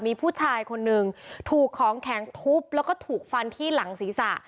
มีผู้ชายคนหนึ่งถูกของแข็งทุบแล้วก็ถูกฟันที่หลังศีรษะ